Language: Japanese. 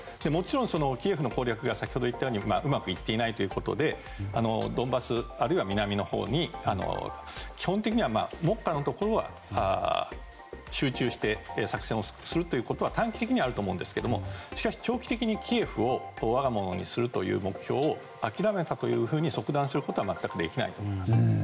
もちろん、キエフ攻略がうまくいっていないということでドンバス、あるいは南のほうに基本的には、目下のところは集中して作戦をするということは短期的にはあると思いますがしかし長期的にキエフを我が物にするという目標を諦めたと即断することは全くできないと思います。